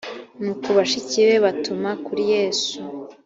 nuko bashiki be batuma kuri yesu